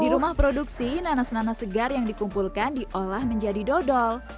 di rumah produksi nanas nanas segar yang dikumpulkan diolah menjadi dodol